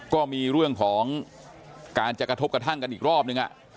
ก็มีเรื่องของการจะกระทบกระทั่งกันอีกรอบนึง